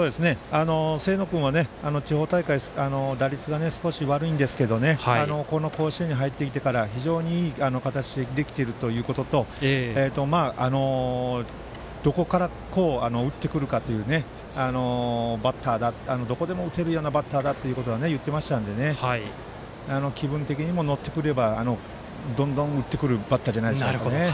清野君は地方大会打率が少し悪いんですけどこの甲子園に入ってきてから非常にいい形でできているということとどこでも打てるようなバッターと言っていましたから気分的にも乗ってくればどんどん打ってくるバッターじゃないでしょうかね。